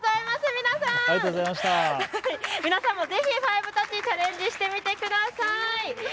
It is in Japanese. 皆さんもぜひ５タッチ、チャレンジしてみてください。